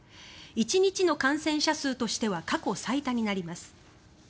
１日の感染者数としては過去最多になります。